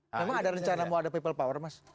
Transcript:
memang ada rencana mau ada people power mas